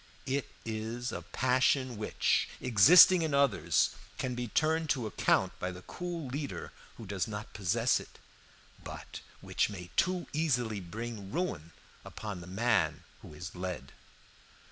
It is a passion which, existing in others, can be turned to account by the cool leader who does not possess it, but which may too easily bring ruin upon the man who is led.